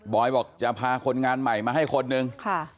อยบอกจะพาคนงานใหม่มาให้คนนึง